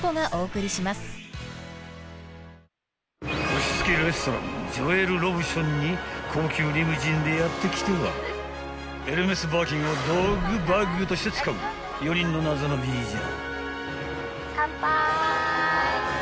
［星付きレストランジョエル・ロブションに高級リムジンでやって来てはエルメスバーキンをドッグバッグとして使う４人の謎の美女］